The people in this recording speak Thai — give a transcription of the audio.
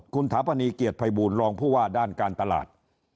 คุณถน์ภรรนีเกียจพัยบูรณ์รองผู้ว่าด้านการตลาด